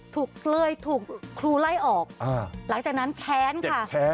ถูกเล่ยถูกครูไล่ออกหลังจากนั้นแค้นค่ะ